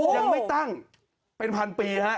ยังไม่ตั้งเป็นพันปีฮะ